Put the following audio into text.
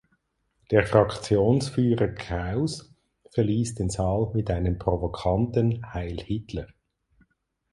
Der Fraktionsführer Kraus verließ den Saal mit einem provokanten „Heil Hitler“.